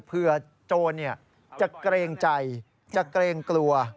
โจรจะเกรงใจจะเกรงกลัว